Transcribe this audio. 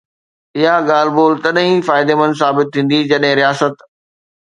اها ڳالهه ٻولهه تڏهن ئي فائديمند ثابت ٿيندي جڏهن رياست